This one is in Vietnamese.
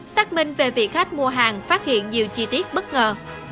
xác minh về vị khách mua hàng phát hiện nhiều chi tiết bất ngờ